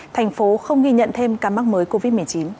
thành phố không ghi nhận thêm ca mắc mới covid một mươi chín